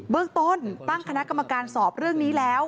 เรื่องต้นตั้งคณะกรรมการสอบเรื่องนี้แล้ว